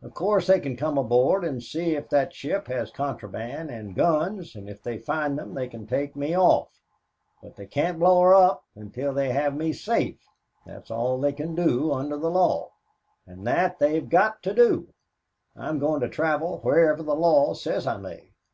Of course they can come aboard and see if that ship has contraband and guns, and if they find them they can take me off; but they can't blow her up until they have me safe. That's all they can do under the law, and that they have got to do. I'm going to travel wherever the law says I may."